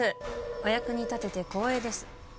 お役に立てて光栄です